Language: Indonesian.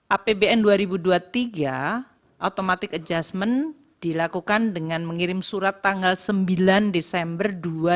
apbn dua ribu dua puluh tiga automatic adjustment dilakukan dengan mengirim surat tanggal sembilan desember dua ribu dua puluh